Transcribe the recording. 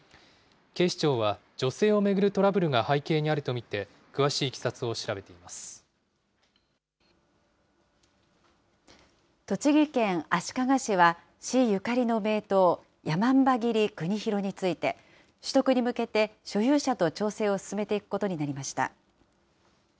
警視庁は女性を巡るトラブルが背景にあると見て、詳しいいきさつ栃木県足利市は、市ゆかりの名刀、山姥切国広について、取得に向けて所有者と調整を進めていくことになりました。